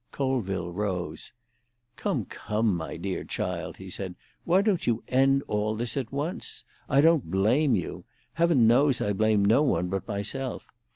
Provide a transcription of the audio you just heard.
Colville rose. "Come, come, my dear child," he said, "why don't you end all this at once? I don't blame you. Heaven knows I blame no one but myself!